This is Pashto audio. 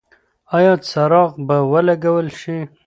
ایا څراغ به ولګول شي؟